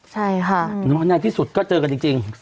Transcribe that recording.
ใช่ค่ะอืมอืมน้ำน้ำในที่สุดก็เจอกันจริง